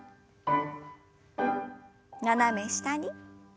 斜め下に。